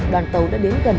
đoàn tàu đã đến gần tàu